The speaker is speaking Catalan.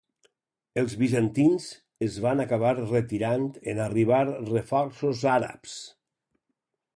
Els bizantins es van acabar retirant en arribar reforços àrabs.